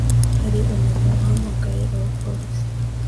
Hari umuntu wahamagaye abapolisi